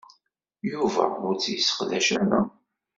Yuba ur tt-yesseqdac ara.